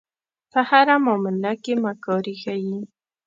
په هره معامله کې مکاري ښيي.